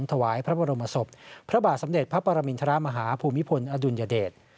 ถวายพระบรมศพพระบาทสมเด็จพระปรมินทรมาฮาภูมิพลอดุลยเดช